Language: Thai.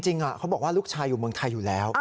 จริงเขาบอกว่าลูกชายอยู่เมืองไทยอยู่แล้ว